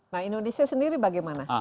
nah indonesia sendiri bagaimana